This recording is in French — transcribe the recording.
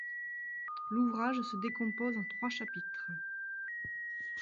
L'ouvrage se décompose en trois chapitres.